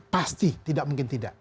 pasti tidak mungkin tidak